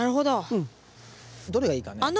どれがいいかね？